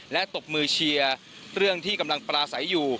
และตบมือเชียร์เรื่องที่กำลังปราศัยอยู่